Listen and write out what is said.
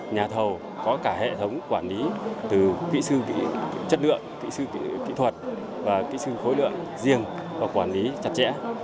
nhà thầu có cả hệ thống quản lý từ kỹ sư chất lượng kỹ sư kỹ thuật và kỹ sư khối lượng riêng và quản lý chặt chẽ